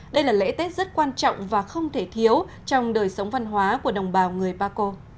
đây là lễ tết rất quan trọng và không thể thiếu trong đời sống văn hóa của đồng bào người paco